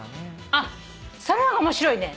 あっそれのが面白いね。